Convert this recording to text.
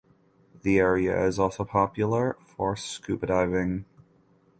The area is also popular for scuba diving.